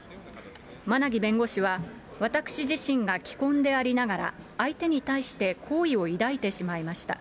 馬奈木弁護士は、私自身が既婚でありながら、相手に対して好意を抱いてしまいました。